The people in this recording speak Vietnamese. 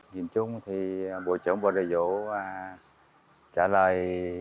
nhìn chung thì bộ trưởng bộ nội vụ trả lời